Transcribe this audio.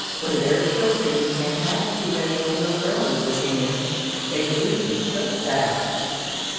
Where there are children, you can't have too many old umbrellas at hand. They lose them so fast.'